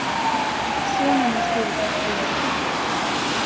Sonen har skrivit hans biografi.